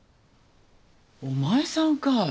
お前さんかい。